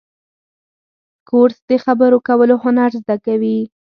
کورس د خبرو کولو هنر زده کوي.